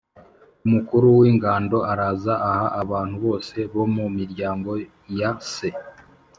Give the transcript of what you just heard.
umukuru w ingando araza aha Abantu bose bo mu miryango ya se